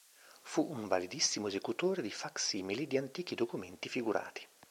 Fu un validissimo esecutore di fac-simili di antichi documenti figurati.